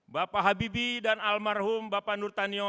bapak habibi dan almarhum bapak nur tanio